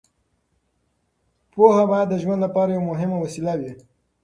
پوهه باید د ژوند لپاره یوه مهمه وسیله وي.